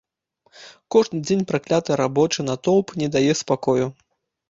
Кожны дзень пракляты рабочы натоўп не дае спакою.